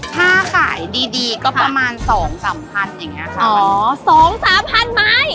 ถ้าขายดีก็ประมาณ๒๓๐๐๐บาทโอ้้๒๓๐๐๐ไม้